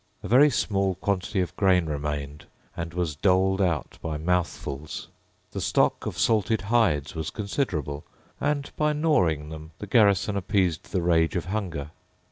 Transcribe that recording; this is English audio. A very small quantity of grain remained, and was doled out by mouthfuls. The stock of salted hides was considerable, and by gnawing them the garrison appeased the rage of hunger.